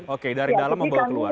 oke dari dalam membawa ke luar